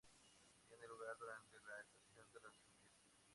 Tiene lugar durante la estación de las lluvias.